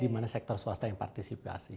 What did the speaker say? di mana sektor swasta yang partisipasi